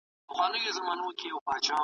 که زه واوړم نو ایا ته به ما واورې؟